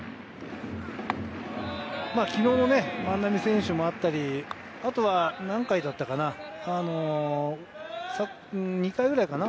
昨日の万波選手もあったり、あとは何回だったかな、２回ぐらいかな。